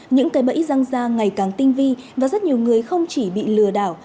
những cây bẫy răng ra ngày càng tinh vi và rất nhiều người không chỉ bị lừa đảo